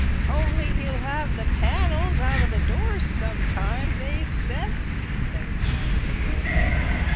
"On'y he'll lave the panels out o' th' doors sometimes, eh, Seth?" said Wiry Ben.